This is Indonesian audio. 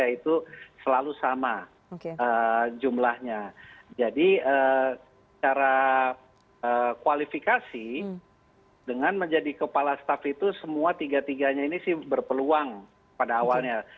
itu selalu sama jumlahnya jadi secara kualifikasi dengan menjadi kepala staff itu semua tiga tiganya ini sih berpeluang pada awalnya